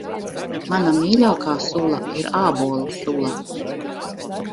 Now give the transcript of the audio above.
Mana mīļākā sula ir ābolu sula.